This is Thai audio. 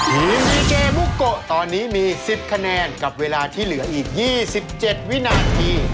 ดีเกมูโกะตอนนี้มี๑๐คะแนนกับเวลาที่เหลืออีก๒๗วินาที